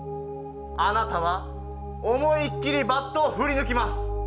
あなたは、思い切りバットを振り抜きます。